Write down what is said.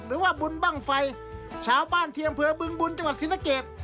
หรือว่าบุญบ้างไฟชาวบ้านเทียงเผลอบึงบุญจังหวัดสินเกต